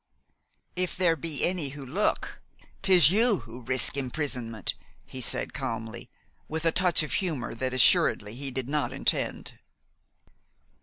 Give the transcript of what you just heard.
"If there be any who look, 'tis you who risk imprisonment," he said calmly, with a touch of humor that assuredly he did not intend.